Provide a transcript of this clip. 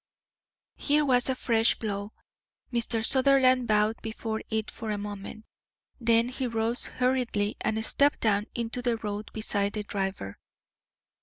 Here was a fresh blow. Mr. Sutherland bowed before it for a moment, then he rose hurriedly and stepped down into the road beside the driver.